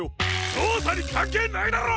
そうさにかんけいないだろ！